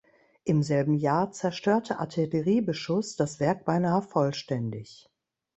Im selben Jahr zerstörte Artilleriebeschuss das Werk beinahe vollständig.